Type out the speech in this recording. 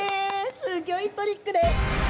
すギョいトリックです。